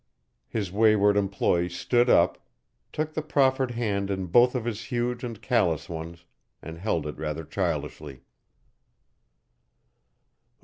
His wayward employee stood up, took the proffered hand in both of his huge and callous ones, and held it rather childishly.